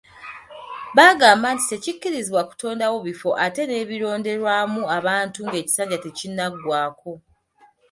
Bagamba nti tekikkirizibwa kutondawo bifo ate nebirondebwamu abantu ng'ekisanja tekinnagwako.